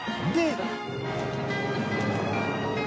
で